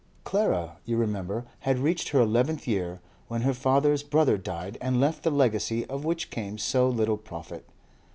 Clara, you remember, had reached her eleventh year when her father's brother died and left the legacy of which came so little profit.